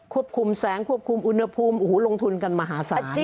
คุมแสงควบคุมอุณหภูมิลงทุนกันมหาศาล